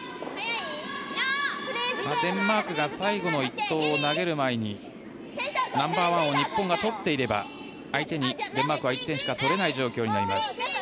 デンマークが最後の１投を投げる前にナンバーワンを日本が取っていればデンマークは１点しか取れない状況になります。